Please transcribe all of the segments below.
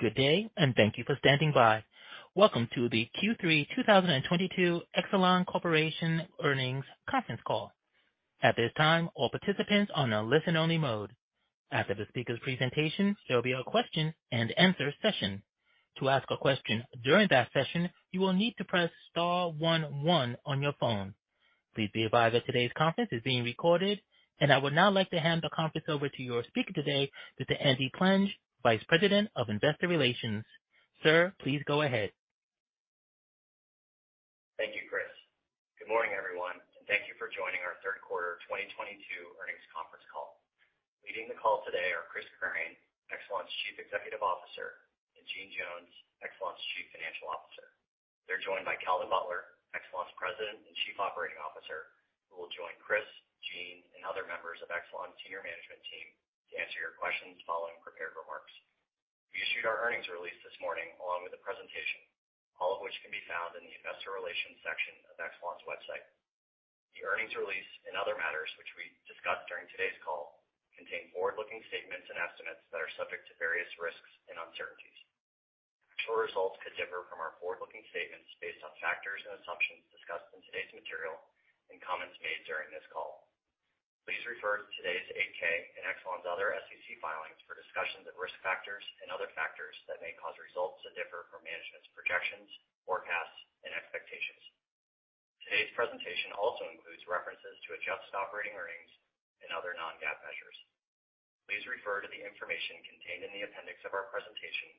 Good day, and thank you for standing by. Welcome to the Q3 2022 Exelon Corporation earnings conference call. At this time, all participants are on a listen only mode. After the speaker's presentation, there'll be a question and answer session. To ask a question during that session, you will need to press star one one on your phone. Please be advised that today's conference is being recorded. I would now like to hand the conference over to your speaker today, Mr. Andy Plenge, Vice President of Investor Relations. Sir, please go ahead. Thank you, Chris. Good morning, everyone, and thank you for joining our third quarter 2022 earnings conference call. Leading the call today are Chris Crane, Exelon's Chief Executive Officer, and Jeanne Jones, Exelon's Chief Financial Officer. They're joined by Calvin Butler, Exelon's President and Chief Operating Officer, who will join Chris, Jeanne, and other members of Exelon's senior management team to answer your questions following prepared remarks. We issued our earnings release this morning, along with a presentation, all of which can be found in the investor relations section of Exelon's website. The earnings release and other matters which we discussed during today's call contain forward-looking statements and estimates that are subject to various risks and uncertainties. Actual results could differ from our forward-looking statements based on factors and assumptions discussed in today's material and comments made during this call. Please refer to today's 8-K and Exelon's other SEC filings for discussions of risk factors and other factors that may cause results to differ from management's projections, forecasts, and expectations. Today's presentation also includes references to adjusted operating earnings and other non-GAAP measures. Please refer to the information contained in the appendix of our presentation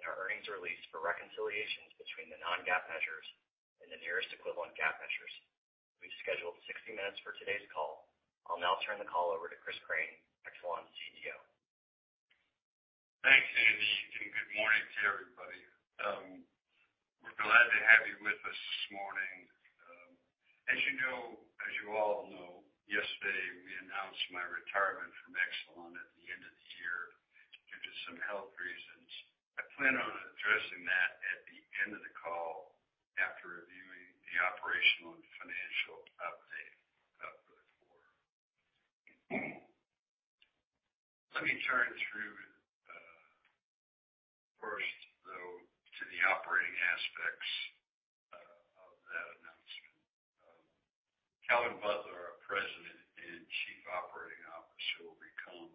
in our earnings release for reconciliations between the non-GAAP measures and the nearest equivalent GAAP measures. We've scheduled 60 minutes for today's call. I'll now turn the call over to Chris Crane, Exelon's CEO. Thanks, Andy, and good morning to everybody. We're glad to have you with us this morning. As you all know, yesterday we announced my retirement from Exelon at the end of the year due to some health reasons. I plan on addressing that at the end of the call after reviewing the operational and financial update of the quarter. Let me turn to, first, though, the operating aspects of that announcement. Calvin Butler, our President and Chief Operating Officer, will become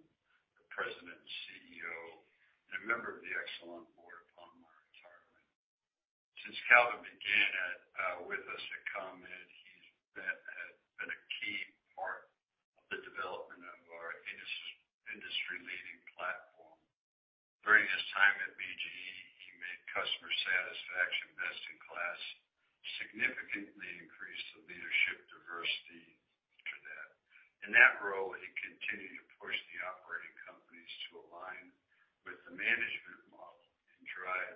the President and CEO and a member of the Exelon board upon my retirement. Since Calvin began with us at ComEd, he's been a key part of the development of our industry-leading platform. During his time at BGE, he made customer satisfaction best in class, significantly increased the leadership diversity to that. In that role, he continued to push the operating companies to align with the management model and drive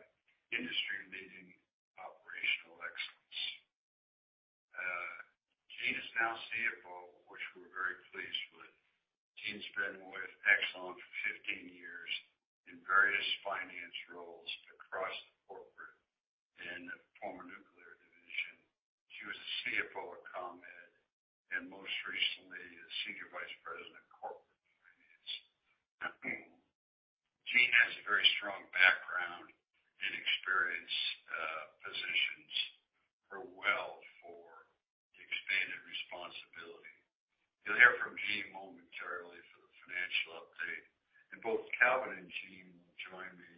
industry-leading operational excellence. Jeanne is now CFO, which we're very pleased with. Jeanne's been with Exelon for 15 years in various finance roles across the corporate and the former nuclear division. She was the CFO at ComEd and most recently the Senior Vice President of Corporate Finance. Jeanne has a very strong background and experience, positions her well for the expanded responsibility. You'll hear from Jeanne momentarily for the financial update, and both Calvin and Jeanne will join me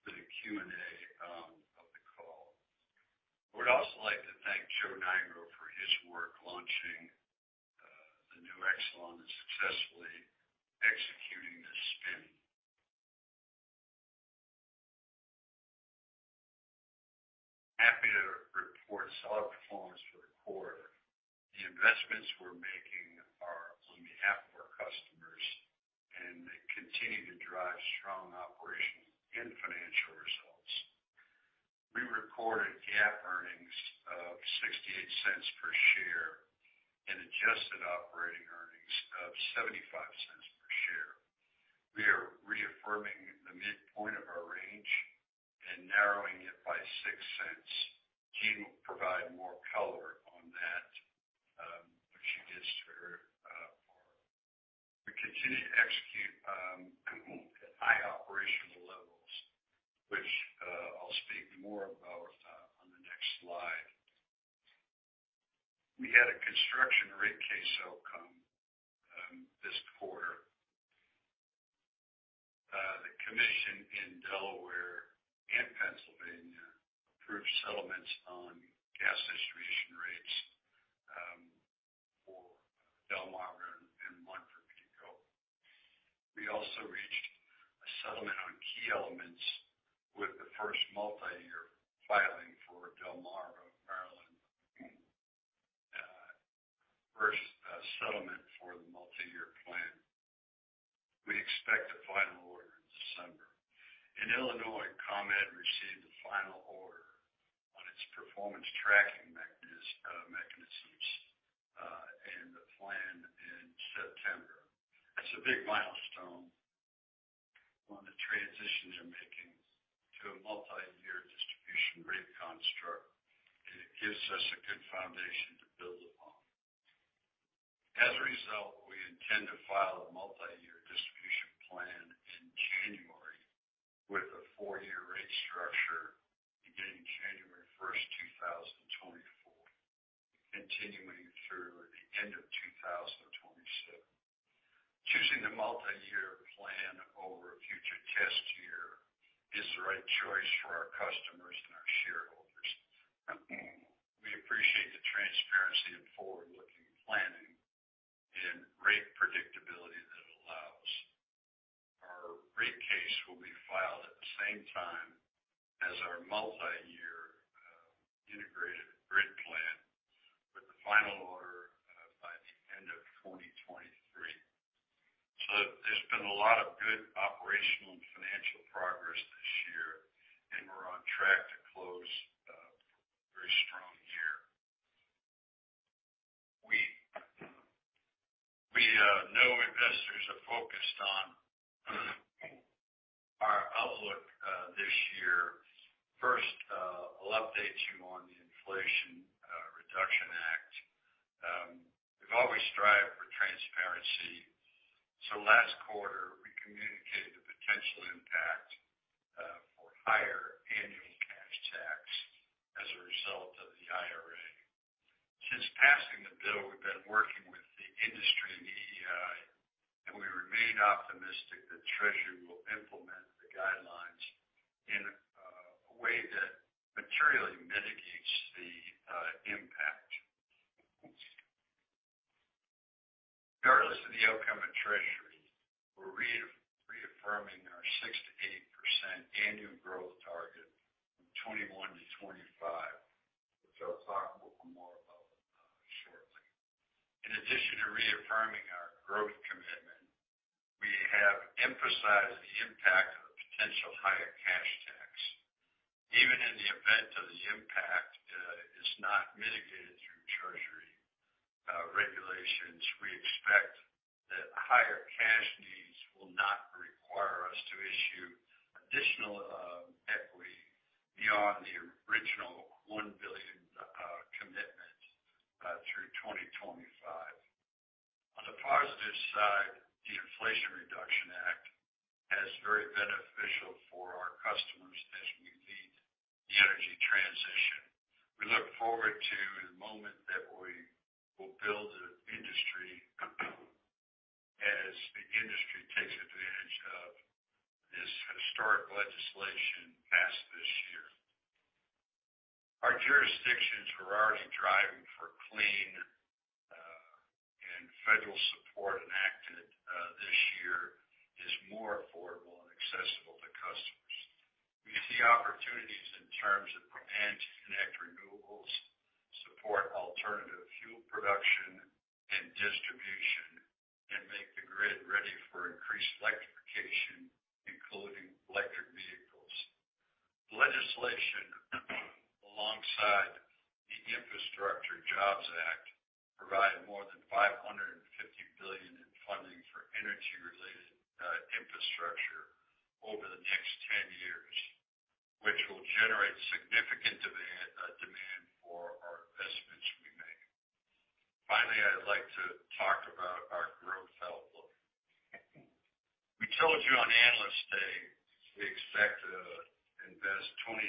for the Q&A of the call. I would also like to thank Joe Nigro for his work launching the new Exelon and successfully executing this spinoff. Happy to report solid performance for the quarter. The investments we're making are on behalf of our customers, and they continue to drive strong operational and financial results. We recorded GAAP earnings of $0.68 per share and adjusted operating earnings of $0.75 per share. We are reaffirming the midpoint of our range and narrowing it by $0.06. Jeanne will provide more color on that, when she gets to her part. We continue to execute at high operational levels, which, I'll speak more about on the next slide. We had a constructive rate case outcome this quarter. The commission in Delaware and Pennsylvania approved settlements on gas distribution rates for Delmarva and PECO. We also reached a settlement on key elements with the first multi-year filing for Delmarva of Maryland. First settlement for the multi-year plan. We expect a final order in December. In Illinois, ComEd received a final order on its performance tracking mechanisms and the plan in September. That's a big milestone on the transition they're making. This is a good foundation to build upon. As a result, we intend to file a multi-year distribution plan in January with a four year rate structure beginning January 1st, 2024, continuing through the end of 2027. Choosing the multi-year plan over a future test year is the right choice for our customers and our shareholders. We appreciate the transparency and forward-looking planning and rate predictability that allows. Our rate case will be filed at the same time as our multi-year integrated grid plan with the final order by the end of 2023. There's been a lot of good operational and financial progress this year, and we're on track to close a very strong year. We know investors are focused on our outlook this year. First, I'll update you on the Inflation Reduction Act. We've always strived for transparency. Last quarter, we communicated the potential impact for higher annual cash tax as a result of the IRA. Since passing the bill, we've been working with the industry and the EEI, and we remain optimistic that Treasury will implement the guidelines in a way that materially mitigates the impact. Regardless of the outcome of Treasury, we're reaffirming our 6%-8% annual growth target from 2021-2025, which I'll talk a little more about shortly. In addition to reaffirming our growth commitment, we have emphasized the impact of a potential higher cash tax. Even in the event that the impact is not mitigated through Treasury regulations, we expect that higher cash needs will not require us to issue additional equity beyond the original $1 billion commitment through 2025. On the positive side, the Inflation Reduction Act is very beneficial for our customers as we lead the energy transition. We look forward to the moment that we will build the industry as the industry takes advantage of this historic legislation passed this year. Our jurisdictions were already driving for clean, and federal support enacted this year is more affordable and accessible to customers. We see opportunities in terms of planning to connect renewables, support alternative fuel production and distribution, and make the grid ready for increased electrification, including electric vehicles. Legislation alongside the Infrastructure Investment and Jobs Act provided more than $550 billion in funding for energy-related infrastructure over the next 10 years, which will generate significant demand for our investments we make. Finally, I'd like to talk about our growth outlook. We told you on Analyst Day, we expect to invest $29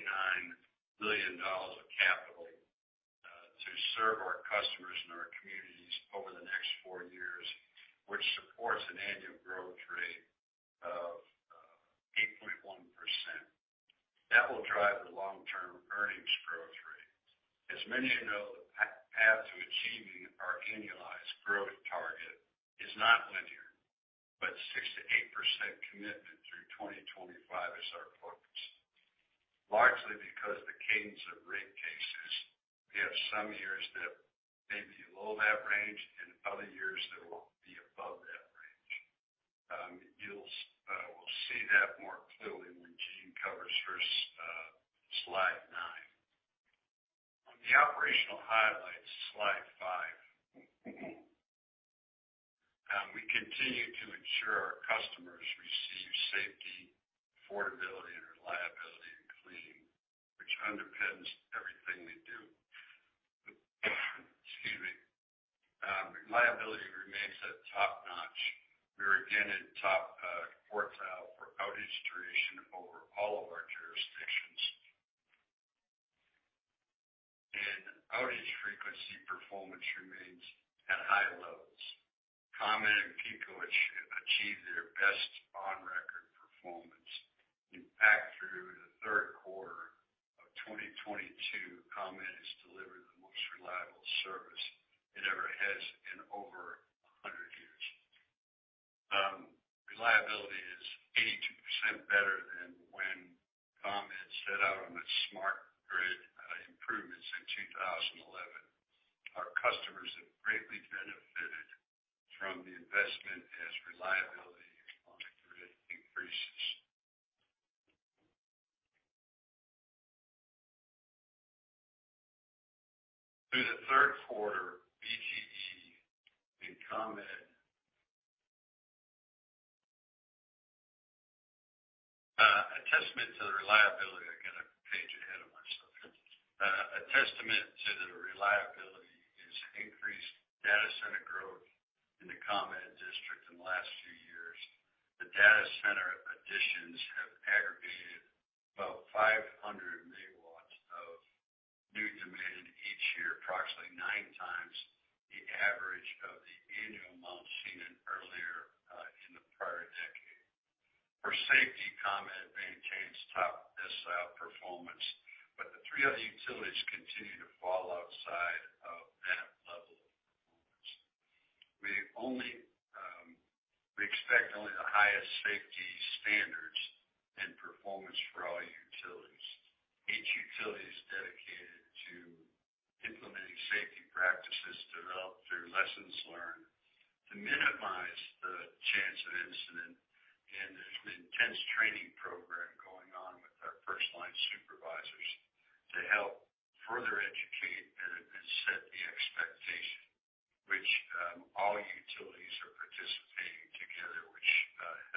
billion of capital to serve our customers and our communities over the next four years, which supports an annual growth rate of 8.1%. That will drive the long-term earnings growth rates. As many of you know, the path to achieving our annualized growth target is not linear, but 6%-8% commitment through 2025 is our focus. Largely because of the cadence of rate cases, we have some years that may be below that range and other years that will be above that range. You'll see that more clearly when Jeanne covers for us slide 9. On the operational highlights, slide 5. We continue to ensure our customers receive safety, affordability, and reliability, and cleaning, which underpins everything we do. Excuse me. Reliability remains at top-notch. We are again at top quartile for outage duration over all of our jurisdictions. Outage frequency performance remains at high levels. ComEd and PECO achieved their best on-record performance. In fact, through the third quarter of 2022, ComEd has delivered the most reliable service it ever has in over 100 years. Reliability is 82% better than when ComEd set out on its smart grid improvements in 2011. Our customers have greatly benefited from the investment as reliability and connectivity increases. Through the third quarter, BGE and ComEd. I got a page ahead of myself. A testament to the reliability is increased data center growth in the ComEd district in the last few years. The data center additions have aggregated about 500 MW of new demand each year, approximately nine times the average of the annual amount seen in the prior decade. For safety, ComEd maintains top-decile performance, but the three other utilities continue to fall outside of that level of performance. We expect only the highest safety standards and performance for all utilities. Each utility is dedicated to implementing safety practices developed through lessons learned to minimize the chance of incident. There's an intense training program going on with our first-line supervisors to help further educate and set the expectation which all utilities are participating together, which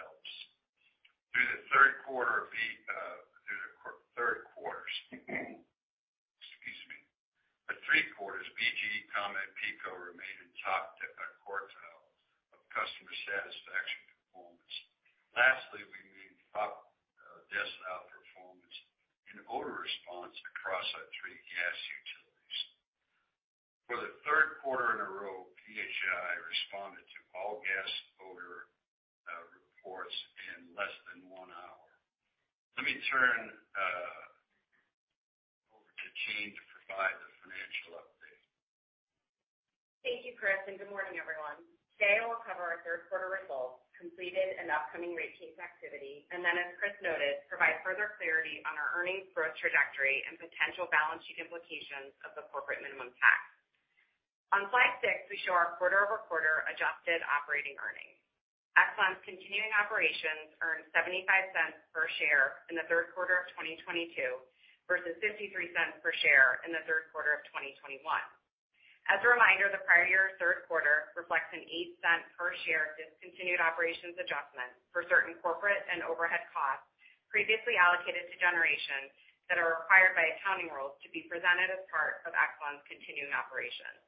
helps. Through the three quarters, BGE, ComEd, PECO remained in top quartile of customer satisfaction performance. Lastly, we made top decile performance in odor response across our three gas utilities. For the third quarter in a row, PHI responded to all gas odor reports in less than one hour. Let me turn over to Jeanne to provide the financial update. Thank you, Chris, and good morning, everyone. Today, we'll cover our third quarter results, completed and upcoming rate case activity, and then, as Chris noted, provide further clarity on our earnings growth trajectory and potential balance sheet implications of the corporate minimum tax. On slide six, we show our quarter-over-quarter adjusted operating earnings. Exelon's continuing operations earned $0.75 per share in the third quarter of 2022 versus $0.53 per share in the third quarter of 2021. As a reminder, the prior year's third quarter reflects an $0.08 per share discontinued operations adjustment for certain corporate and overhead costs previously allocated to generation that are required by accounting rules to be presented as part of Exelon's continuing operations.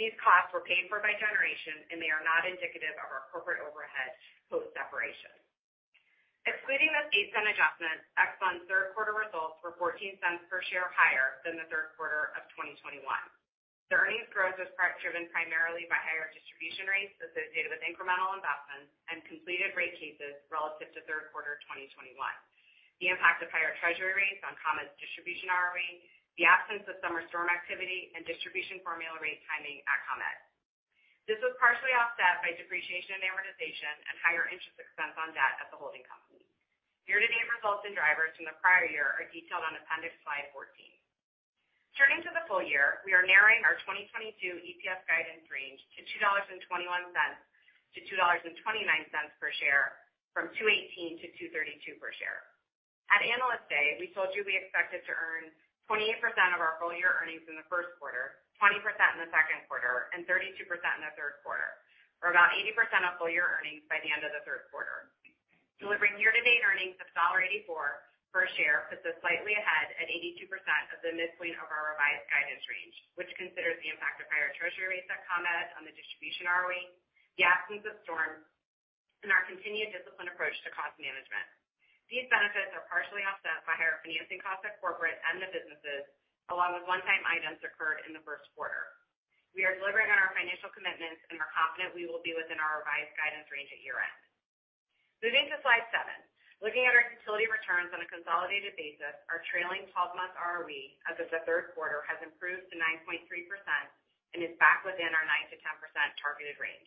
These costs were paid for by generation, and they are not indicative of our corporate overhead post-separation. Excluding this $0.08 adjustment, Exelon's third quarter results were $0.14 per share higher than the third quarter of 2021. The earnings growth was partly driven primarily by higher distribution rates associated with incremental investments and completed rate cases relative to third quarter 2021, the impact of higher Treasury rates on ComEd's distribution ROE, the absence of summer storm activity, and distribution formula rate timing at ComEd. This was partially offset by depreciation and amortization and higher interest expense on debt at the holding company. Year-to-date results and drivers from the prior year are detailed on appendix slide 14. Turning to the full-year, we are narrowing our 2022 EPS guidance range to $2.21-$2.29 per share from $2.18-$2.32 per share. At Analyst Day, we told you we expected to earn 28% of our full-year earnings in the first quarter, 20% in the second quarter, and 32% in the third quarter, for about 80% of full-year earnings by the end of the third quarter. Delivering year-to-date earnings of $0.84 per share puts us slightly ahead at 82% of the midpoint of our revised guidance range, which considers the impact of higher Treasury rates at ComEd on the distribution ROE, the absence of storms, and our continued disciplined approach to cost management. These benefits are partially offset by higher financing costs at corporate and the businesses, along with one-time items occurred in the first quarter. We are delivering on our financial commitments and are confident we will be within our revised guidance range at year-end. Moving to slide seven. Looking at our utility returns on a consolidated basis, our trailing twelve-month ROE as of the third quarter has improved to 9.3% and is back within our 9%-10% targeted range.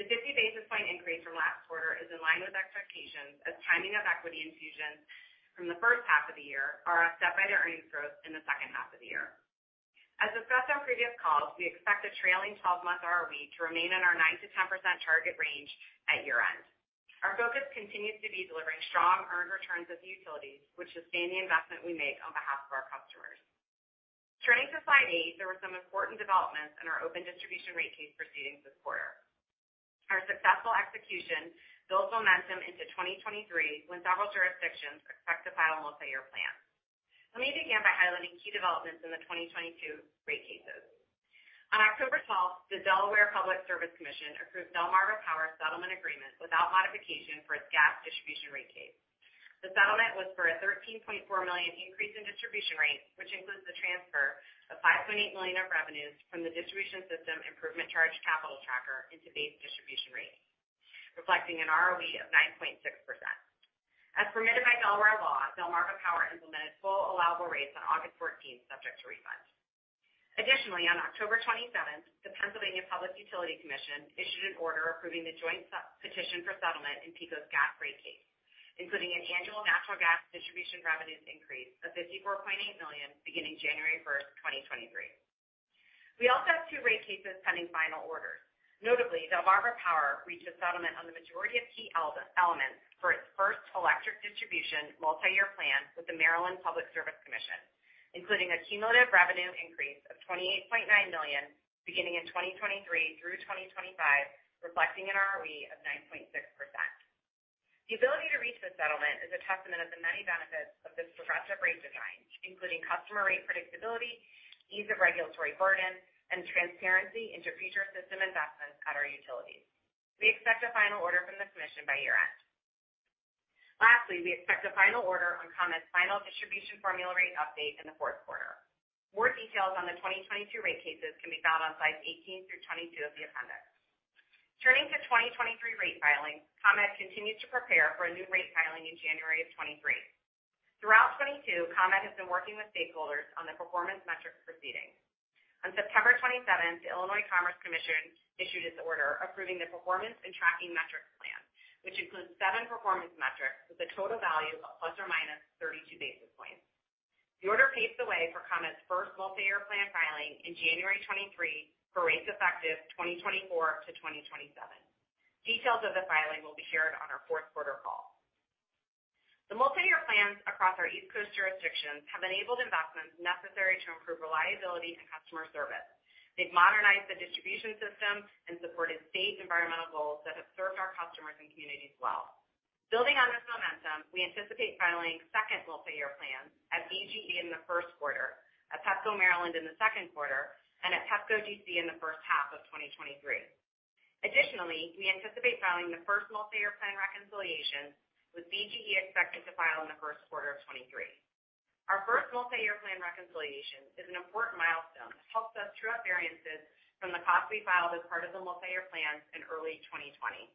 The 50 basis point increase from last quarter is in line with expectations as timing of equity infusions from the first half of the year are offset by the earnings growth in the second half of the year. As discussed on previous calls, we expect a trailing 12 month ROE to remain in our 9%-10% target range at year-end. Our focus continues to be delivering strong earned returns of utilities, which sustain the investment we make on behalf of our customers. Turning to slide eight, there were some important developments in our open distribution rate case proceedings this quarter. Our successful execution builds momentum into 2023 when several jurisdictions expect to file multi-year plans. Let me begin by highlighting key developments in the 2022 rate cases. On October 12th, the Delaware Public Service Commission approved Delmarva Power settlement agreement without modification for its gas distribution rate case. The settlement was for a $13.4 million increase in distribution rates, which includes the transfer of $5.8 million of revenues from the Distribution System Improvement Charge capital tracker into base distribution rates, reflecting an ROE of 9.6%. As permitted by Delaware law, Delmarva Power implemented full allowable rates on August 14th, subject to refunds. Additionally, on October 27th, the Pennsylvania Public Utility Commission issued an order approving the joint set petition for settlement in PECO's gas rate case, including an annual natural gas distribution revenues increase of $54.8 million beginning January 1st, 2023. We also have two rate cases pending final orders. Notably, Delmarva Power reached a settlement on the majority of key elements for its first electric distribution multi-year plan with the Maryland Public Service Commission. Including a cumulative revenue increase of $28.9 million, beginning in 2023 through 2025, reflecting an ROE of 9.6%. The ability to reach this settlement is a testament of the many benefits of this progressive rate design, including customer rate predictability, ease of regulatory burden, and transparency into future system investments at our utilities. We expect a final order from the commission by year-end. Lastly, we expect a final order on ComEd's final distribution formula rate update in the fourth quarter. More details on the 2022 rate cases can be found on slides 18 through 22 of the appendix. Turning to 2023 rate filings, ComEd continues to prepare for a new rate filing in January 2023. Throughout 2022, ComEd has been working with stakeholders on the performance metrics proceeding. On September 27th, the Illinois Commerce Commission issued its order approving the performance and tracking metrics plan, which includes seven performance metrics with a total value of ±32 basis points. The order paves the way for ComEd's first multi-year plan filing in January 2023 for rates effective 2024 to 2027. Details of the filing will be shared on our fourth quarter call. The multi-year plans across our East Coast jurisdictions have enabled investments necessary to improve reliability and customer service. They've modernized the distribution system and supported state environmental goals that have served our customers and communities well. Building on this momentum, we anticipate filing second multi-year plans at BGE in the first quarter, at Pepco Maryland in the second quarter, and at Pepco DC in the first half of 2023. Additionally, we anticipate filing the first multi-year plan reconciliation, with BGE expected to file in the first quarter of 2023. Our first multi-year plan reconciliation is an important milestone that helps us true-up variances from the costs we filed as part of the multi-year plans in early 2020.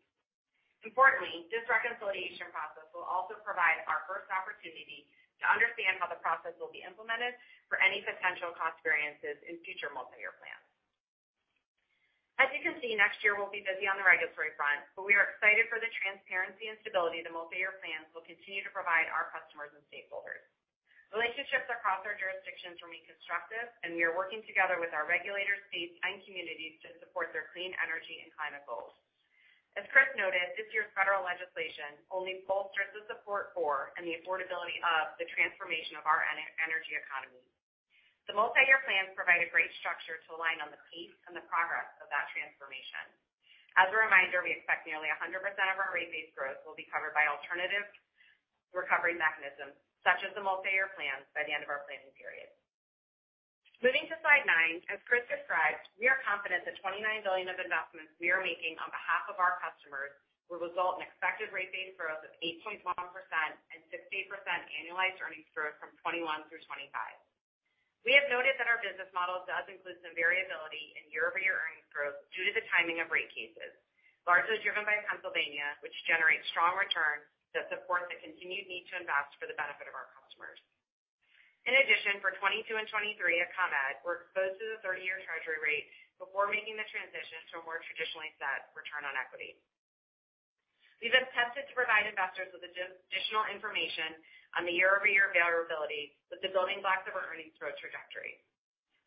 Importantly, this reconciliation process will also provide our first opportunity to understand how the process will be implemented for any potential cost variances in future multi-year plans. As you can see, next year we'll be busy on the regulatory front, but we are excited for the transparency and stability the multi-year plans will continue to provide our customers and stakeholders. Relationships across our jurisdictions remain constructive, and we are working together with our regulators, states, and communities to support their clean energy and climate goals. As Chris noted, this year's federal legislation only bolsters the support for and the affordability of the transformation of our energy economy. The multi-year plans provide a great structure to align on the pace and the progress of that transformation. As a reminder, we expect nearly 100% of our rate-based growth will be covered by alternative recovery mechanisms, such as the multi-year plans by the end of our planning period. Moving to slide nine, as Chris Crane described, we are confident the $29 billion of investments we are making on behalf of our customers will result in expected rate base growth of 8.1% and 6-8% annualized earnings growth from 2021 through 2025. We have noted that our business model does include some variability in year-over-year earnings growth due to the timing of rate cases, largely driven by Pennsylvania, which generates strong returns that support the continued need to invest for the benefit of our customers. In addition, for 2022 and 2023 at ComEd, we're exposed to the 30 year Treasury rate before making the transition to a more traditionally set return on equity. These have tended to provide investors with additional information on the year-over-year variability with the building blocks of our earnings growth trajectory.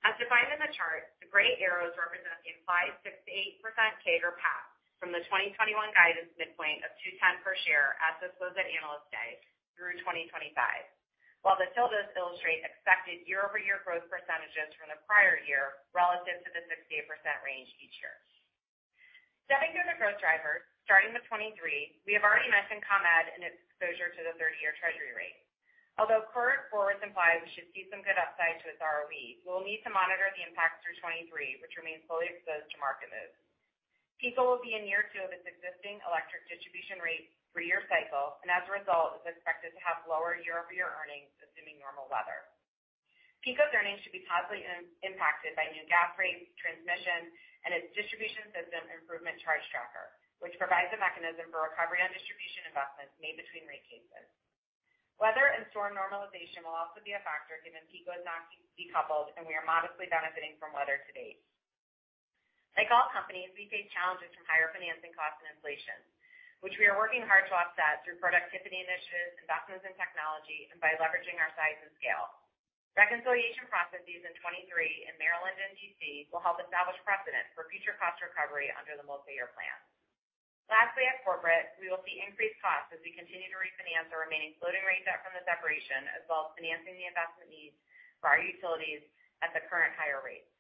As defined in the chart, the gray arrows represent the implied 6%-8% CAGR path from the 2021 guidance midpoint of $2.10 per share as disclosed at Analyst Day through 2025. While the tildes illustrate expected year-over-year growth percentages from the prior year relative to the 6%-8% range each year. Stepping through the growth drivers, starting with 2023, we have already mentioned ComEd and its exposure to the 30 year Treasury rate. Although current forwards imply we should see some good upside to its ROE, we'll need to monitor the impact through 2023, which remains fully exposed to market moves. PECO will be in year two of its existing electric distribution rate three year cycle, and as a result, is expected to have lower year-over-year earnings, assuming normal weather. PECO's earnings should be positively impacted by new gas rates, transmission, and its Distribution System Improvement Charge tracker, which provides a mechanism for recovery on distribution investments made between rate cases. Weather and storm normalization will also be a factor, given PECO is not decoupled and we are modestly benefiting from weather to date. Like all companies, we face challenges from higher financing costs and inflation, which we are working hard to offset through productivity initiatives, investments in technology, and by leveraging our size and scale. Reconciliation processes in 2023 in Maryland and D.C. will help establish precedents for future cost recovery under the multi-year plan. Lastly, at corporate, we will see increased costs as we continue to refinance our remaining floating rate debt from the separation, as well as financing the investment needs for our utilities at the current higher rates.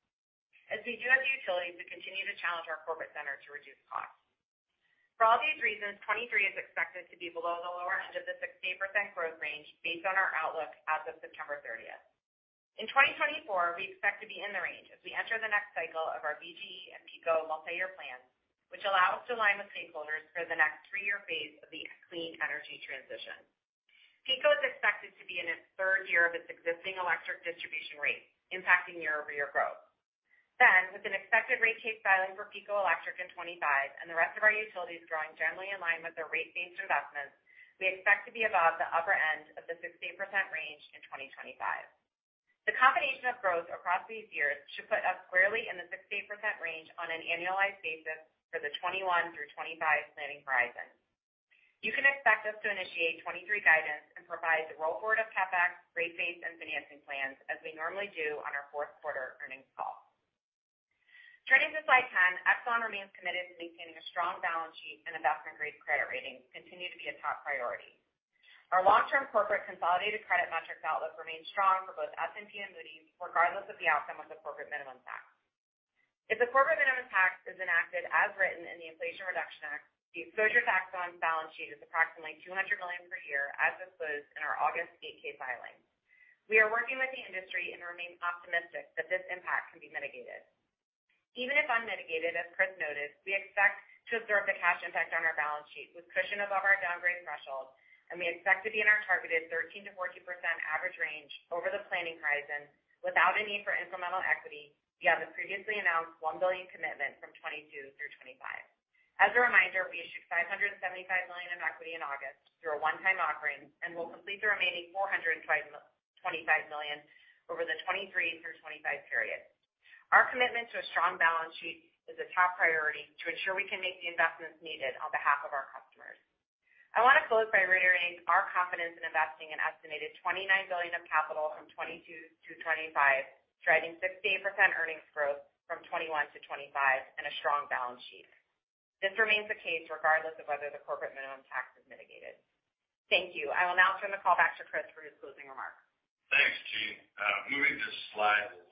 As we do at the utilities, we continue to challenge our corporate center to reduce costs. For all these reasons, 2023 is expected to be below the lower end of the 6%-8% growth range based on our outlook as of September 30th. In 2024, we expect to be in the range as we enter the next cycle of our BGE and PECO multi-year plans, which allow us to align with stakeholders for the next three year phase of the clean energy transition. PECO is expected to be in its third year of its existing electric distribution rate, impacting year-over-year growth. With an expected rate case filing for PECO Electric in 2025 and the rest of our utilities growing generally in line with their rate base investments, we expect to be above the upper end of the 6%-8% range in 2025. The combination of growth across these years should put us squarely in the 68% range on an annualized basis for the 2021 through 2025 planning horizon. You can expect us to initiate 2023 guidance and provide the roll forward of CapEx, rate base, and financing plans as we normally do on our fourth quarter earnings call. Turning to slide 10. Exelon remains committed to maintaining a strong balance sheet and investment-grade credit ratings continue to be a top priority. Our long-term corporate consolidated credit metrics outlook remains strong for both S&P and Moody's, regardless of the outcome of the corporate minimum tax. If the corporate minimum tax is enacted as written in the Inflation Reduction Act, the exposure to tax on the balance sheet is approximately $200 million per year as disclosed in our August 8-K filing. We are working with the industry and remain optimistic that this impact can be mitigated. Even if unmitigated, as Chris noted, we expect to absorb the cash impact on our balance sheet with cushion above our downgrade threshold, and we expect to be in our targeted 13%-14% average range over the planning horizon without a need for incremental equity via the previously announced $1 billion commitment from 2022 through 2025. As a reminder, we issued $575 million in equity in August through a one-time offering, and we'll complete the remaining $425 million over the 2023 through 2025 period. Our commitment to a strong balance sheet is a top priority to ensure we can make the investments needed on behalf of our customers. I want to close by reiterating our confidence in investing an estimated $29 billion of capital from 2022 to 2025, driving 6%-8% earnings growth from 2021 to 2025 and a strong balance sheet. This remains the case regardless of whether the corporate minimum tax is mitigated. Thank you. I will now turn the call back to Chris for his closing remarks. Thanks, Jeanne. Moving to slide 11.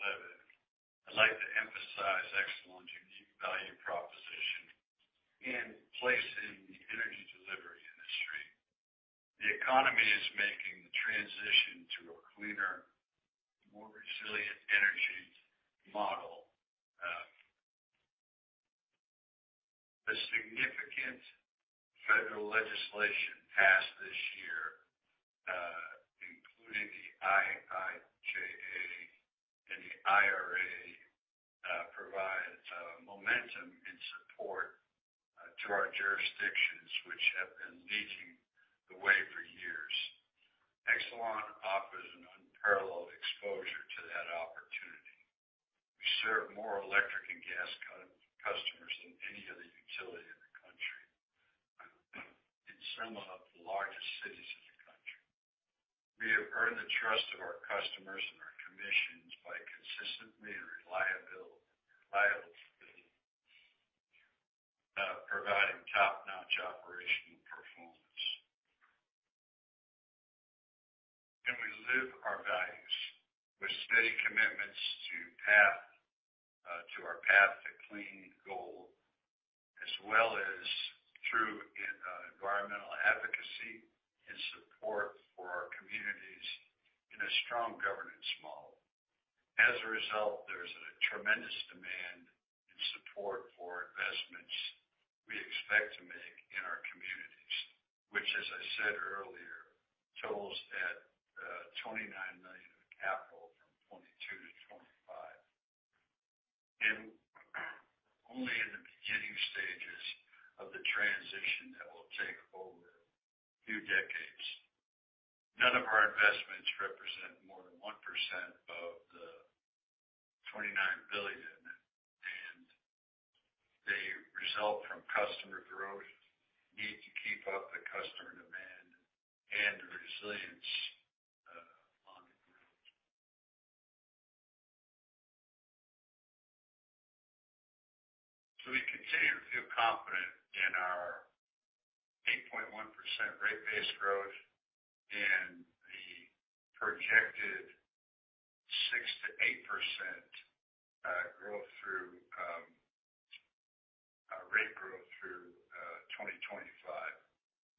I'd like to emphasize Exelon's unique value proposition in place in the energy delivery industry. The economy is making the transition to a cleaner, more resilient energy model. A significant federal legislation passed this year, including the IIJA and the IRA, provides momentum and support to our jurisdictions which have been leading the way for years. Exelon offers an unparalleled exposure to that opportunity. We serve more electric and gas customers than any other utility in the country. In some of the largest cities in the country. We have earned the trust of our customers and our commissions by consistently and reliably providing top-notch operational performance. We live our values with steady commitments to our path to clean goal as well as through environmental advocacy and support for our communities in a strong governance model. As a result, there's a tremendous demand and support for investments we expect to make in our communities, which, as I said earlier, totals at $29 billion in capital from 2022-2025. Only in the beginning stages of the transition that will take over the next decades. None of our investments represent more than 1% of the $29 billion, and they result from customer growth need to keep up with customer demand and the resilience on the ground. We continue to feel confident in our 8.1% rate base growth and the projected 6%-8% growth through 2025.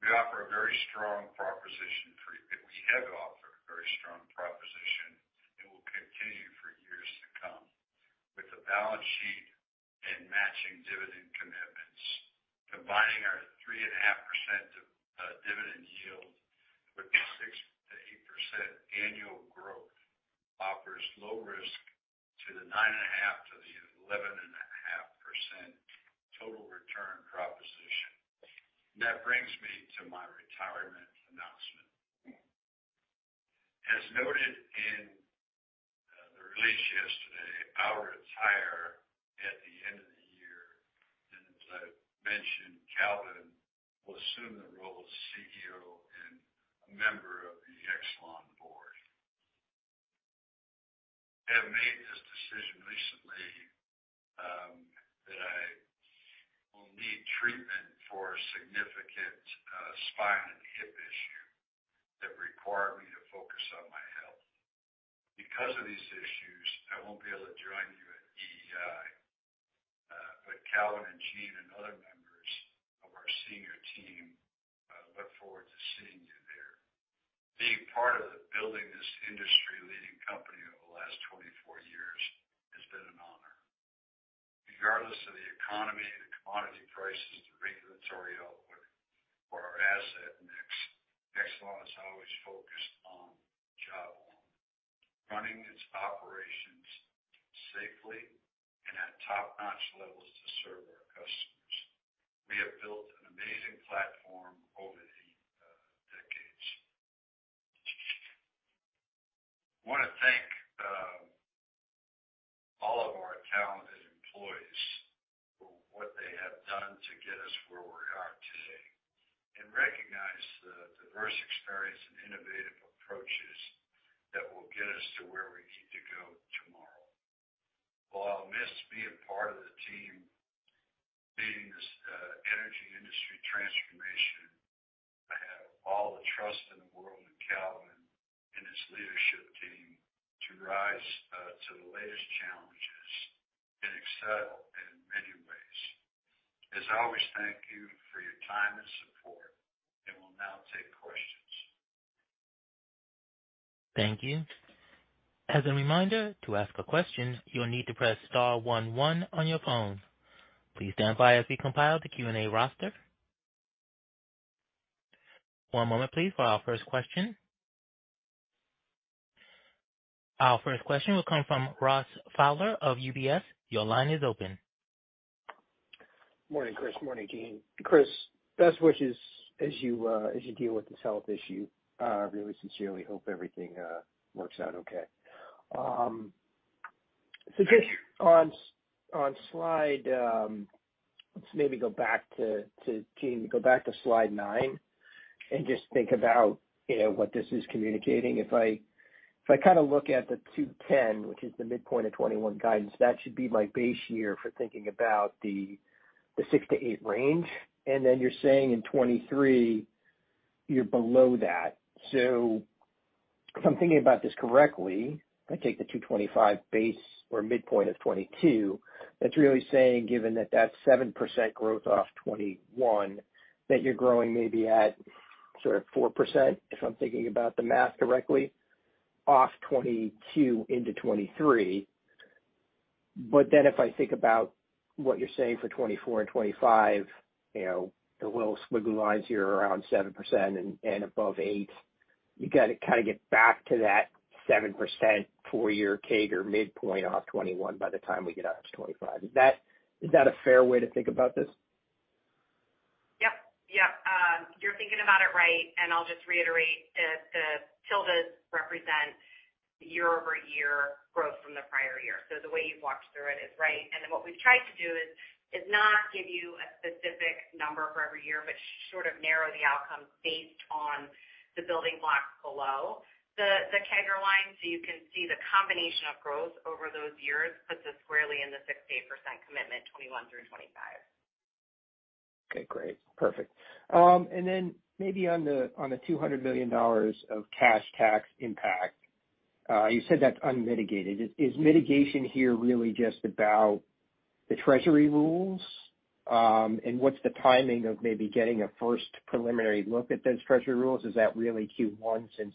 We have offered a very strong proposition and will continue for years to come with a balance sheet and matching dividend commitments. Combining our 3.5% dividend yield with 6%-8% annual growth offers low risk to the 9.5%-11.5% total return proposition. That brings me to my retirement announcement. As noted in the release yesterday, I will retire at the end of the year, and as I mentioned, Calvin will assume the role of CEO and a member of the Exelon board. I have made this decision recently that I will need treatment for significant spine and hip issue that require me to focus on my health. Because of these issues, I won't be able to join you at EEI, but Calvin and Jeanne and other members of our senior team look forward to seeing you there. Being part of the building this industry-leading company over the last 24 years has been an honor. Regardless of the economy, the commodity prices, the regulatory output for our asset mix, Exelon has always focused on job one. Running its operations safely and at top-notch levels to serve our customers. We have built an amazing platform over the decades. I wanna thank all of our talented employees for what they have done to get us where we're at. Diverse experience and innovative approaches that will get us to where we need to go tomorrow. While I'll miss being part of the team leading this, energy industry transformation, I have all the trust in the world in Calvin and his leadership team to rise, to the latest challenges and excel in many ways. As always, thank you for your time and support, and we'll now take questions. Thank you. As a reminder, to ask a question, you'll need to press star one one on your phone. Please stand by as we compile the Q&A roster. One moment please for our first question. Our first question will come from Ross Fowler of UBS. Your line is open. Morning, Chris. Morning, team. Chris, best wishes as you deal with this health issue. I really sincerely hope everything works out okay. Just on slide nine and just think about, you know, what this is communicating. If I kind of look at the $2.10, which is the midpoint of 2021 guidance, that should be my base year for thinking about the 6%-8% range. Then you're saying in 2023 you're below that. If I'm thinking about this correctly, if I take the $2.25 base or midpoint of 2022, that's really saying, given that that's 7% growth off 2021, that you're growing maybe at sort of 4%, if I'm thinking about the math correctly, off 2022 into 2023. If I think about what you're saying for 2024 and 2025, you know, the little squiggly lines here around 7% and above 8%, you gotta kind of get back to that 7% four year CAGR midpoint off 2021 by the time we get out to 2025. Is that a fair way to think about this? Yep. You're thinking about it right. I'll just reiterate the tildes represent year-over-year growth from the prior year. The way you've walked through it is right. Then what we've tried to do is not give you a specific number for every year, but sort of narrow the outcome based on the building blocks below the CAGR line. You can see the combination of growth over those years puts us squarely in the 6%-8% commitment, 2021-2025. Okay, great. Perfect. Maybe on the $200 million of cash tax impact, you said that's unmitigated. Is mitigation here really just about the treasury rules? What's the timing of maybe getting a first preliminary look at those treasury rules? Is that really Q1 since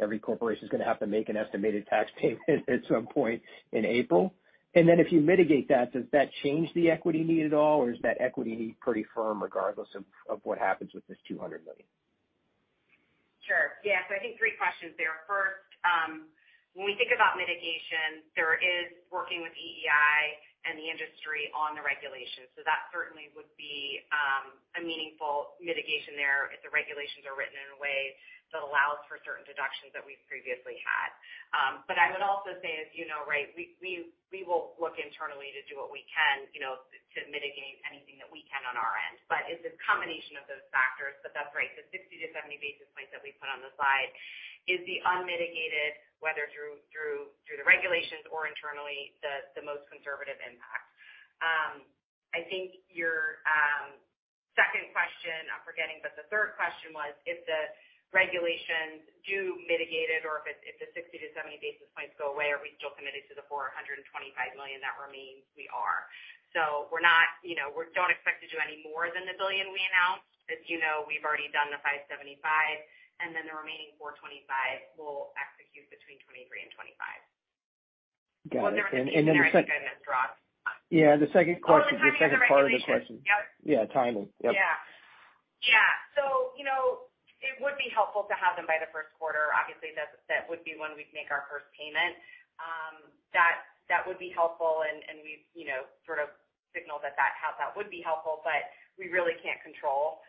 every corporation is gonna have to make an estimated tax payment at some point in April? If you mitigate that, does that change the equity need at all, or is that equity need pretty firm regardless of what happens with this $200 million? Sure. Yeah. I think three questions there. First, when we think about mitigation, there is working with EEI and the industry on the regulation. That certainly would be a meaningful mitigation there if the regulations are written in a way that allows for certain deductions that we've previously had. But I would also say, as you know, right, we will look internally to do what we can, you know, to mitigate anything that we can on our end. It's a combination of those factors. That's right. The 60-70 basis points that we put on the slide is the unmitigated, whether through the regulations or internally, the most conservative impact. I think your second question, I'm forgetting, but the third question was if the regulations do mitigate it or if the 60-70 basis points go away, are we still committed to the $425 million that remains? We are. We're not, you know. We don't expect to do any more than the $1 billion we announced. As you know, we've already done the $575 million, and then the remaining $425 million will execute between 2023 and 2025. Got it. Yeah, the second question. The second part of the question. Yep. Yeah, timing. Yep. Yeah. You know, it would be helpful to have them by the first quarter. Obviously, that would be when we'd make our first payment. That would be helpful. We've, you know, sort of signaled that how that would be helpful, but we really can't control.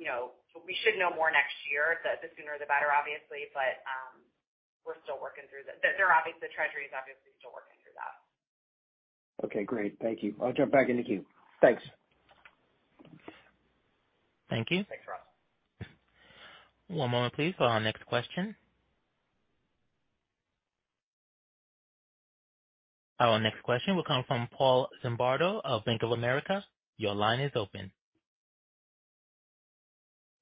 You know, we should know more next year, the sooner the better, obviously. We're still working through this. The Treasury is obviously still working through that. Okay, great. Thank you. I'll jump back in the queue. Thanks. Thank you. Thanks, Ross. One moment, please, for our next question. Our next question will come from Paul Zimbardo of Bank of America. Your line is open.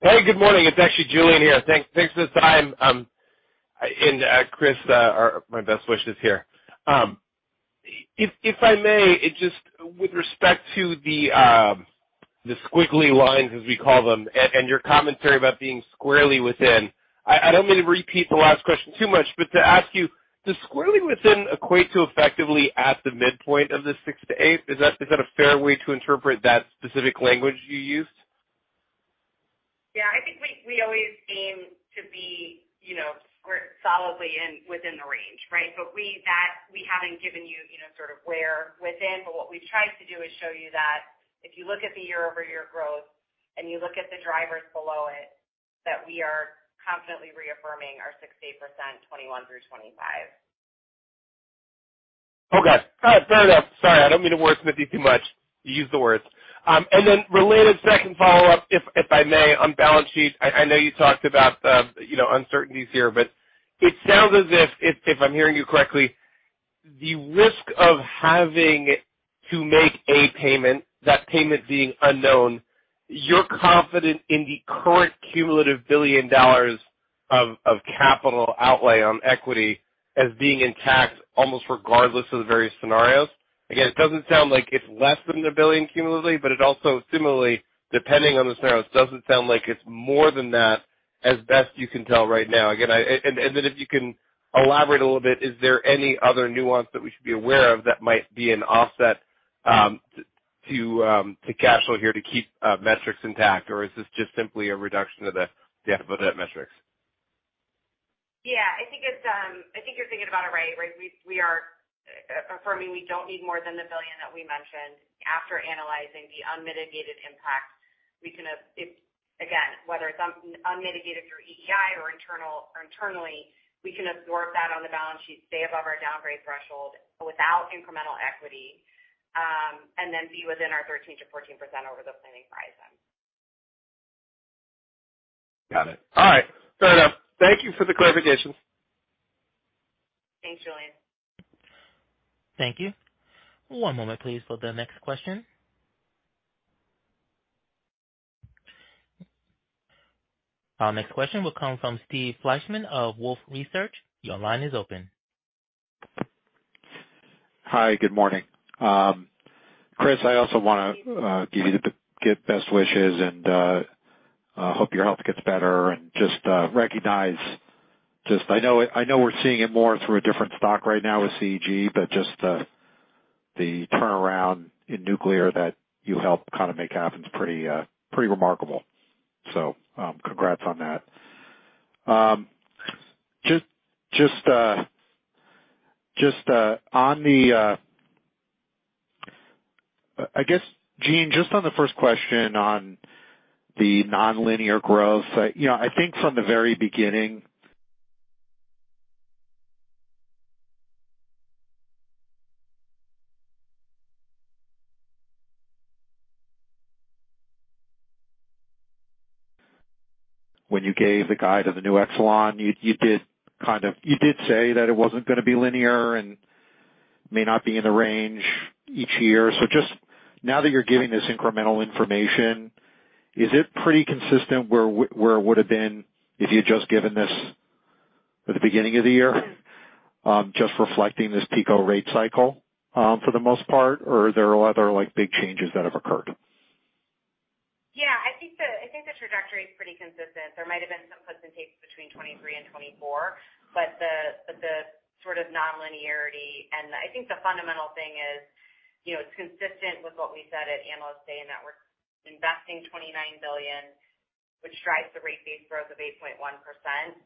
Hey, good morning. It's actually Julien here. Thanks for the time. Chris, my best wishes here. If I may, it just with respect to the squiggly lines, as we call them, and your commentary about being squarely within, I don't mean to repeat the last question too much, but to ask you, does squarely within equate to effectively at the midpoint of the 6%-8%? Is that a fair way to interpret that specific language you used? Yeah. I think we always aim to be, you know, solidly within the range, right? But that we haven't given you know, sort of where within, but what we've tried to do is show you that if you look at the year-over-year growth and you look at the drivers below it, that we are confidently reaffirming our 6%-8%, 2021 through 2025. Okay. All right. Fair enough. Sorry, I don't mean to wordsmith you too much. You use the words. And then related second follow-up, if I may, on balance sheet. I know you talked about the, you know, uncertainties here, but it sounds as if I'm hearing you correctly, the risk of having to make a payment, that payment being unknown, you're confident in the current cumulative $1 billion of capital outlay on equity as being intact almost regardless of the various scenarios. Again, it doesn't sound like it's less than the $1 billion cumulatively, but it also similarly, depending on the scenarios, doesn't sound like it's more than that as best you can tell right now. If you can elaborate a little bit, is there any other nuance that we should be aware of that might be an offset to cash flow here to keep metrics intact? Or is this just simply a reduction of the debt-to-equity metrics? Yeah, I think it's, I think you're thinking about it right. Right, we are affirming we don't need more than $1 billion that we mentioned after analyzing the unmitigated impact. If, again, whether it's unmitigated through EEI or internally, we can absorb that on the balance sheet, stay above our downgrade threshold without incremental equity, and then be within our 13%-14% over the planning horizon. Got it. All right. Fair enough. Thank you for the clarifications. Thanks, Julien. Thank you. One moment please for the next question. Our next question will come from Steve Fleishman of Wolfe Research. Your line is open. Hi, good morning. Chris, I also wanna give best wishes and hope your health gets better and just recognize I know we're seeing it more through a different stock right now with CEG, but just the turnaround in nuclear that you helped kind of make happen is pretty remarkable. Congrats on that. I guess, Jeanne, just on the first question on the nonlinear growth. You know, I think from the very beginning when you gave the guide of the new Exelon, you did kind of say that it wasn't gonna be linear and may not be in the range each year. Just now that you're giving this incremental information, is it pretty consistent where it would have been if you had just given this at the beginning of the year, just reflecting this PECO rate cycle, for the most part? Are there other, like, big changes that have occurred? Yeah. I think the trajectory is pretty consistent. There might have been some puts and takes between 2023 and 2024, but the sort of nonlinearity and I think the fundamental thing is, you know, it's consistent with what we said at Analyst Day, and that we're investing $29 billion, which drives the rate base growth of 8.1%,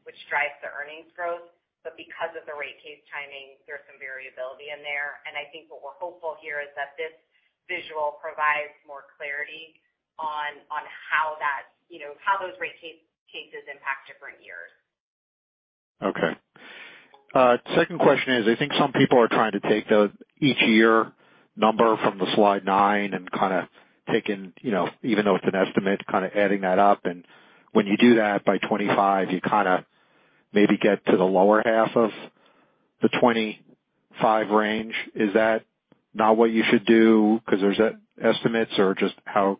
which drives the earnings growth. But because of the rate case timing, there's some variability in there. I think what we're hopeful here is that this visual provides more clarity on how that, you know, how those rate cases impact different years. Okay. Second question is, I think some people are trying to take the each year number from the slide nine and kinda taking, even though it's an estimate, kinda adding that up. When you do that by 25, you kinda maybe get to the lower half of the 25 range. Is that not what you should do because there's estimates? Or just how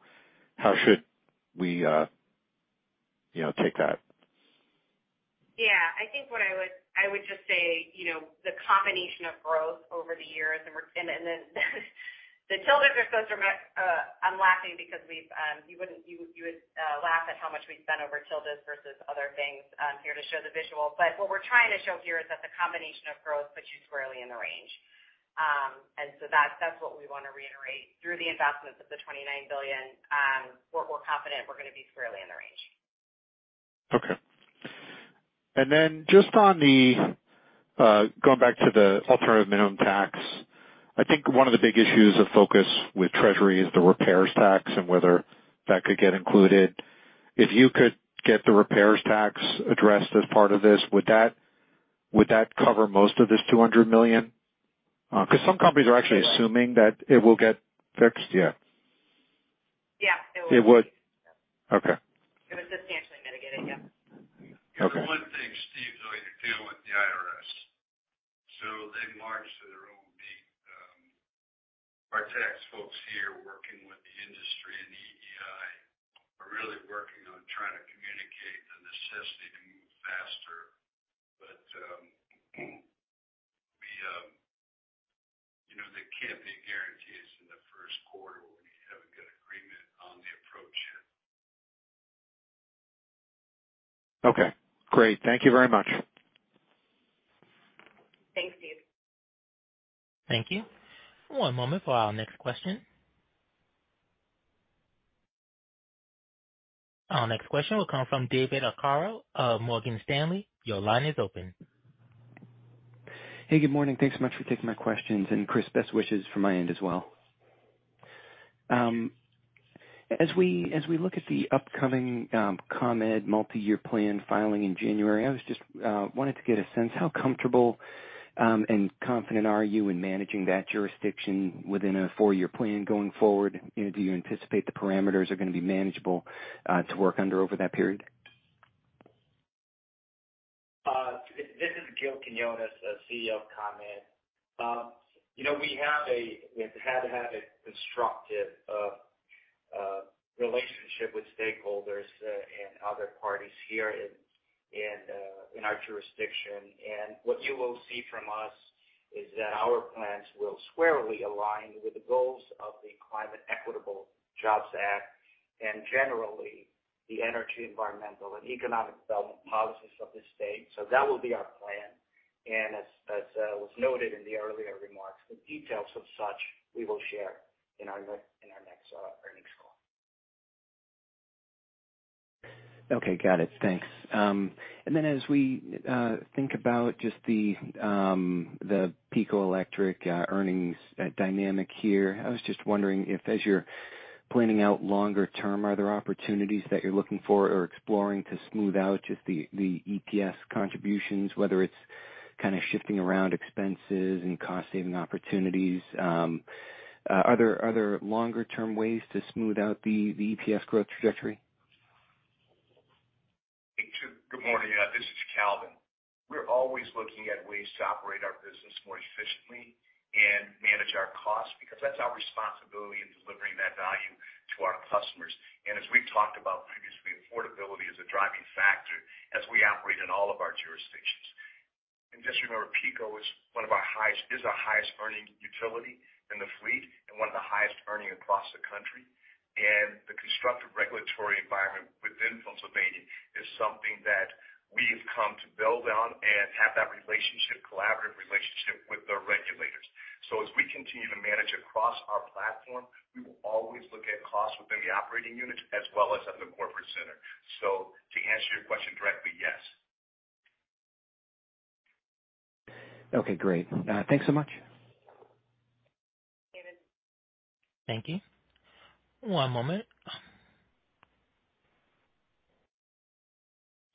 should we take that? Yeah. I think what I would just say, you know, the combination of growth over the years and then the T&D's are so dramatic. I'm laughing because you wouldn't, you would laugh at how much we've spent over T&D's versus other things, here to show the visual. What we're trying to show here is that the combination of growth puts you squarely in the range. That's what we want to reiterate. Through the investments of the $29 billion, we're confident we're gonna be squarely in the range. Okay. Just on going back to the alternative minimum tax, I think one of the big issues of focus with Treasury is the repairs tax and whether that could get included. If you could get the repairs tax addressed as part of this, would that cover most of this $200 million? Because some companies are actually assuming that it will get fixed. Yeah. Yeah. It would? Okay. It would substantially mitigate it, yeah. Okay. The one thing Steve's going to deal with the IRS, so they march to their own beat. Our tax folks here working with the industry and EEI are really working on trying to communicate the necessity to move faster. We, you know, there can't be guarantees in the first quarter when you haven't got agreement on the approach yet. Okay, great. Thank you very much. Thanks, Steve. Thank you. One moment for our next question. Our next question will come from David Arcaro of Morgan Stanley. Your line is open. Hey, good morning. Thanks so much for taking my questions. Chris, best wishes from my end as well. As we look at the upcoming ComEd multi-year plan filing in January, I just wanted to get a sense how comfortable and confident are you in managing that jurisdiction within a four year plan going forward? Do you anticipate the parameters are gonna be manageable to work under over that period? This is Gil Quiniones, CEO of ComEd. You know, we've had to have a constructive relationship with stakeholders and other parties here in our jurisdiction. What you will see from us is that our plans will squarely align with the goals of the Climate and Equitable Jobs Act and generally the energy, environmental, and economic development policies of the state. That will be our plan. As was noted in the earlier remarks, the details of such we will share in our next earnings call. Okay. Got it. Thanks. As we think about just the PECO Electric earnings dynamic here, I was just wondering if as you're planning out longer term, are there opportunities that you're looking for or exploring to smooth out just the EPS contributions, whether it's kind of shifting around expenses and cost saving opportunities? Are there other longer term ways to smooth out the EPS growth trajectory? Good morning. This is Calvin. We're always looking at ways to operate our business more efficiently and manage our costs, because that's our responsibility in delivering that value to our customers. As we've talked about previously, affordability is a driving factor as we operate in all of our jurisdictions. Just remember, PECO is our highest earning utility in the fleet and one of the highest earning across the country. The constructive regulatory environment within Pennsylvania is something that we've come to build on and have that relationship, collaborative relationship with the regulators. As we continue to manage across our platform, we will always look at costs within the operating units as well as at the corporate center. To answer your question directly, yes. Okay, great. Thanks so much. Thank you. One moment.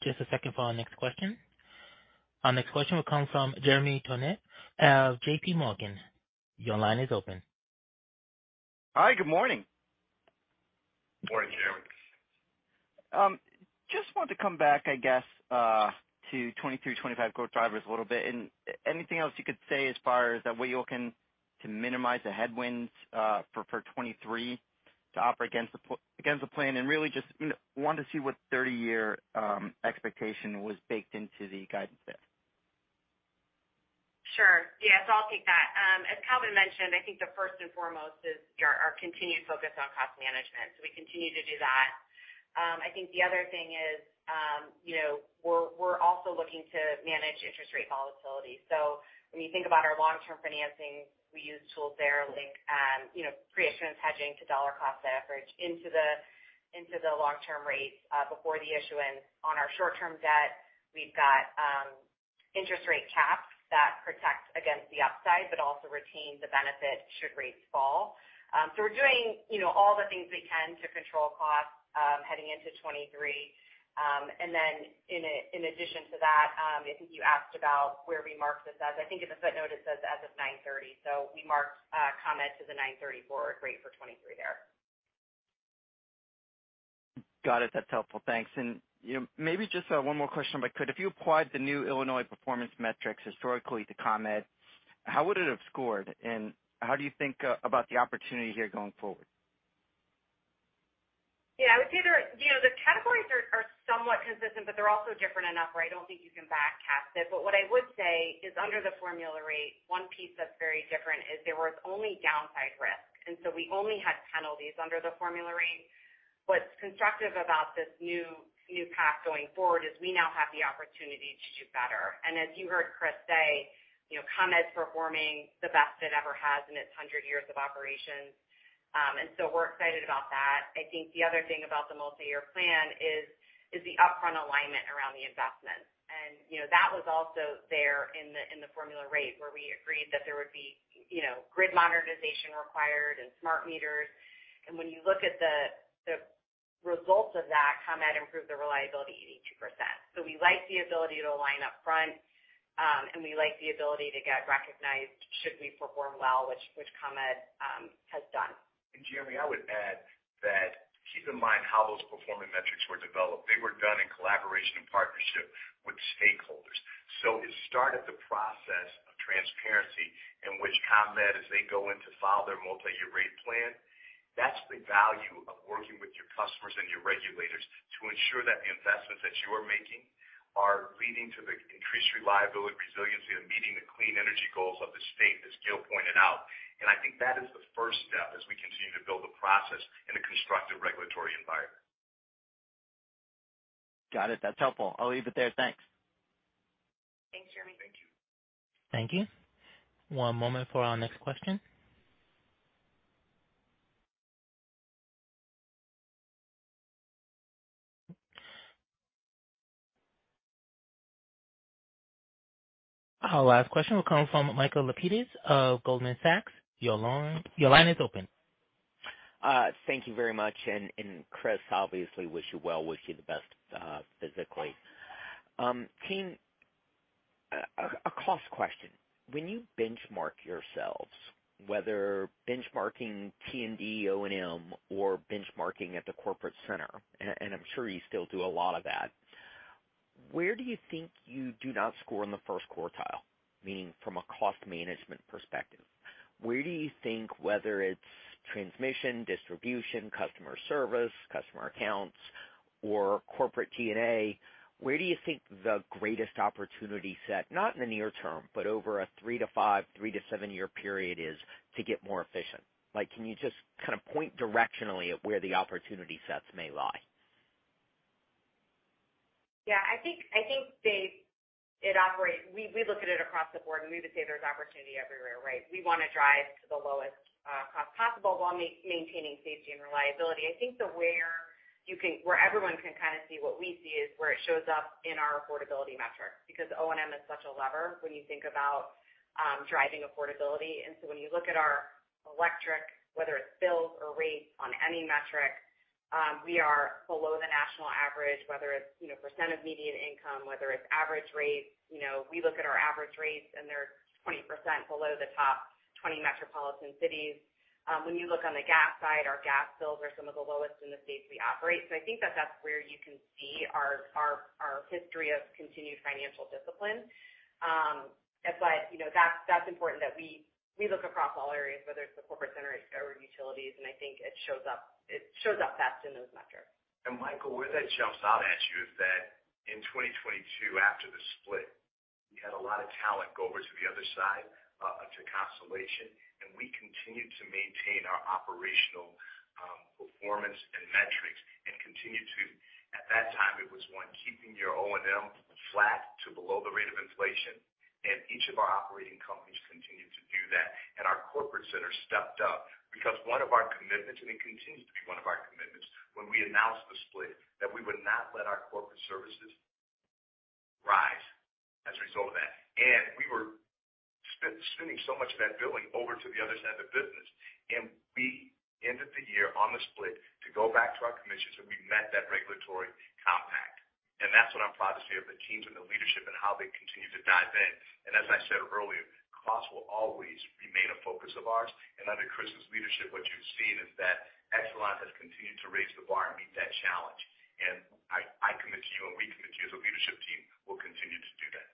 Just a second for our next question. Our next question will come from Jeremy Tonet of JPMorgan. Your line is open. Hi. Good morning. Morning, Jeremy. Just want to come back, I guess, to 2023, 2025 growth drivers a little bit. Anything else you could say as far as what you're looking to minimize the headwinds for 2023 to offer against the plan? Really just want to see what 30 year expectation was baked into the guidance there. Sure, yeah. I'll take that. As Calvin mentioned, I think the first and foremost is our continued focus on cost management. We continue to do that. I think the other thing is, you know, we're also looking to manage interest rate volatility. When you think about our long-term financing, we use tools there like, you know, pre-issuance hedging to dollar cost average into the long-term rates before the issuance. On our short-term debt, we've got interest rate caps that protect against the upside but also retain the benefit should rates fall. We're doing, you know, all the things we can to control costs heading into 2023. In addition to that, I think you asked about where we marked this as. I think in the footnote it says as of 9:30, so we marked ComEd to the 9:30 forward rate for 2023 there. Got it. That's helpful. Thanks. You know, maybe just one more question if I could. If you applied the new Illinois performance metrics historically to ComEd, how would it have scored, and how do you think about the opportunity here going forward? Yeah, I would say they're, you know, the categories are somewhat consistent, but they're also different enough where I don't think you can back cast it. What I would say is under the formula rate, one piece that's very different is there was only downside risk, and so we only had penalties under the formula rate. What's constructive about this new path going forward is we now have the opportunity to do better. As you heard Chris say, you know, ComEd's performing the best it ever has in its hundred years of operations. We're excited about that. I think the other thing about the multi-year plan is the upfront alignment around the investment. You know, that was also there in the formula rate where we agreed that there would be, you know, grid modernization required and smart meters. When you look at the results of that, ComEd improved their reliability 82%. We like the ability to align up front, and we like the ability to get recognized should we perform well, which ComEd has done. Jeremy, I would add that keep in mind how those performance metrics were developed. They were done in collaboration and partnership with stakeholders. It started the process of transparency in which ComEd, as they go in to file their multi-year rate plan, that's the value of working with your customers and your regulators to ensure that the investments that you are making are leading to the increased reliability, resiliency, and meeting the clean energy goals of the state, as Gil pointed out. I think that is the first step as we continue to build a process in a constructive regulatory environment. Got it. That's helpful. I'll leave it there. Thanks. Thanks, Jeremy. Thank you. Thank you. One moment for our next question. Our last question will come from Michael Lapides of Goldman Sachs. Your line is open. Thank you very much. Chris, obviously wish you well. Wish you the best, physically. Team, cost question. When you benchmark yourselves, whether benchmarking T&D, O&M or benchmarking at the corporate center, and I'm sure you still do a lot of that, where do you think you do not score in the first quartile, meaning from a cost management perspective? Where do you think, whether it's transmission, distribution, customer service, customer accounts, or corporate G&A, where do you think the greatest opportunity set, not in the near term, but over a three to five, three to seven year period, is to get more efficient? Like, can you just kind of point directionally at where the opportunity sets may lie? Yeah, I think we look at it across the board, and we would say there's opportunity everywhere, right? We want to drive to the lowest cost possible while maintaining safety and reliability. I think that where everyone can kind of see what we see is where it shows up in our affordability metrics, because O&M is such a lever when you think about driving affordability. When you look at our electric, whether it's bills or rates on any metric, we are below the national average, whether it's, you know, percent of median income, whether it's average rates. You know, we look at our average rates and they're 20% below the top 20 metropolitan cities. When you look on the gas side, our gas bills are some of the lowest in the states we operate. I think that that's where you can see our history of continued financial discipline. You know, that's important that we look across all areas, whether it's the corporate center or utilities, and I think it shows up fast in those metrics. Michael, where that jumps out at you is that in 2022, after the split, we had a lot of talent go over to the other side, to Constellation, and we continued to maintain our operational performance and metrics. At that time, it was one, keeping your O&M flat to below the rate of inflation. Each of our operating companies continued to do that. Our corporate center stepped up because one of our commitments, and it continues to be one of our commitments when we announced the split, that we would not let our corporate services rise as a result of that. We were spending so much of that billing over to the other side of the business. We ended the year on the split to go back to our commissions, and we met that regulatory compact. That's what I'm proud to see of the teams and the leadership and how they continue to dive in. As I said earlier, costs will always remain a focus of ours. Under Chris's leadership, what you've seen is that Exelon has continued to raise the bar and meet that challenge. I commit to you and we commit to you as a leadership team, we'll continue to do that.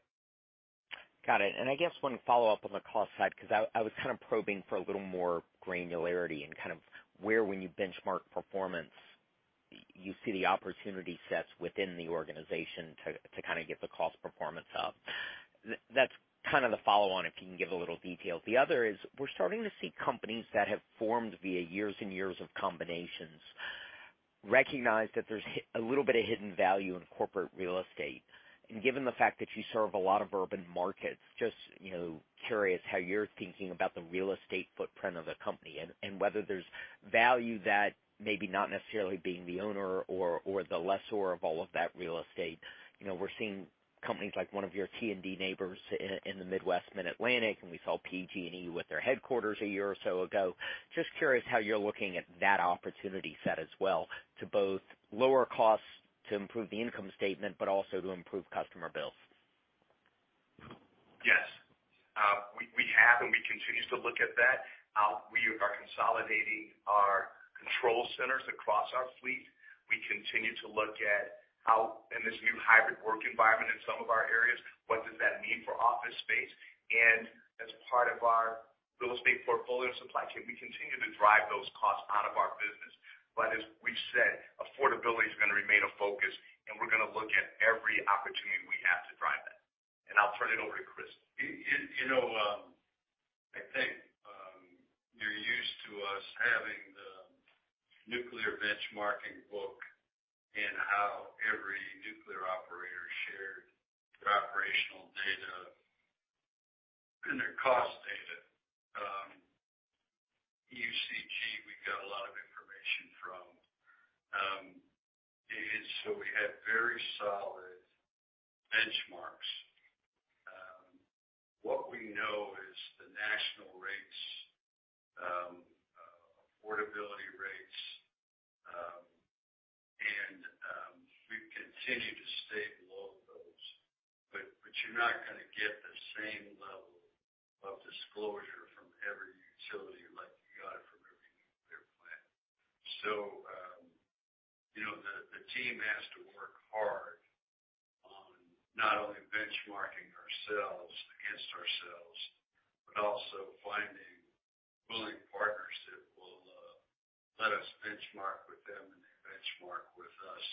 Got it. I guess one follow-up on the cost side, because I was kind of probing for a little more granularity and kind of where when you benchmark performance, you see the opportunity sets within the organization to kind of get the cost performance up. That's kind of the follow on if you can give a little detail. The other is we're starting to see companies that have formed via years and years of combinations recognize that there's a little bit of hidden value in corporate real estate. Given the fact that you serve a lot of urban markets, just, you know, curious how you're thinking about the real estate footprint of the company and whether there's value that maybe not necessarily being the owner or the lessor of all of that real estate. You know, we're seeing companies like one of your T&D neighbors in the Midwest, Mid-Atlantic, and we saw PG&E with their headquarters a year or so ago. Just curious how you're looking at that opportunity set as well to both lower costs to improve the income statement but also to improve customer bills. Yes. We have and we continue to look at that. We are consolidating our control centers across our fleet. We continue to look at how in this new hybrid work environment in some of our areas, what does that mean for office space. As part of our real estate portfolio and supply chain, we continue to drive those costs out of our business. As we've said, affordability is going to remain a focus, and we're going to look at every opportunity we have to drive that. I'll turn it over to Chris. You know, I think you're used to us having the nuclear benchmarking book and how every nuclear operator shared their operational data and their cost data. EUCG, we've got a lot of information from, and so we have very solid benchmarks. What we know is the national rates, affordability rates, and we continue to stay below those. But you're not going to get the same level of disclosure from every utility like you got it from every nuclear plant. You know, the team has to work hard on not only benchmarking ourselves against ourselves, but also finding willing partners that will let us benchmark with them and they benchmark with us.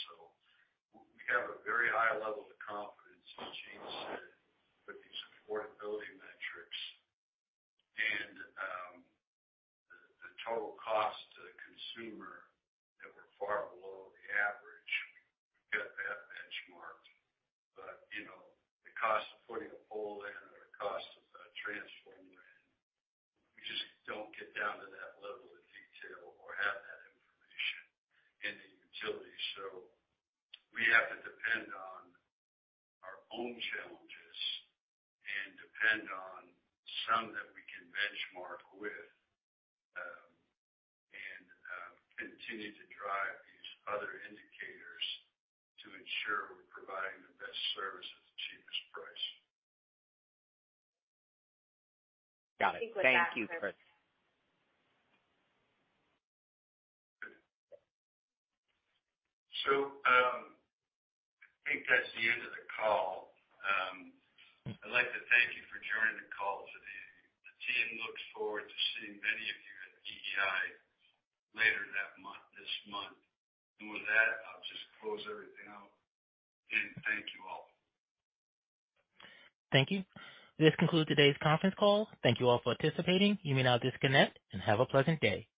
We have a very high level of confidence, as Jeanne said, with these affordability metrics. The total cost to the consumer that we're far below the average, we've got that benchmark. You know, the cost of putting a pole in or the cost of a transformer in, we just don't get down to that level of detail or have that information in the utility. We have to depend on our own challenges and depend on some that we can benchmark with, and continue to drive these other indicators to ensure we're providing the best service at the cheapest price. Got it. Thank you, Chris. I think with that. I think that's the end of the call. I'd like to thank you for joining the call today. The team looks forward to seeing many of you at EEI later that month, this month. With that, I'll just close everything out and thank you all. Thank you. This concludes today's conference call. Thank you all for participating. You may now disconnect and have a pleasant day.